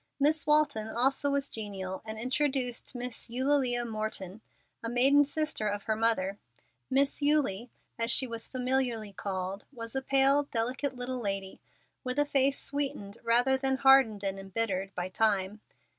Miss Walton also was genial, and introduced Miss Eulalia Morton, a maiden sister of her mother. Miss Eulie, as she was familiarly called, was a pale, delicate little lady, with a face sweetened rather than hardened and imbittered by time.